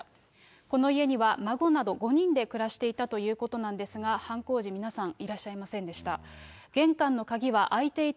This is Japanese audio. この家には孫など５人で暮らしていたということなんですが、犯行時、皆さんいらっしゃいませんでした。